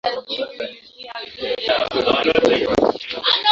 ya Kiswahili Wafuasi hawa wa dini waligawanyika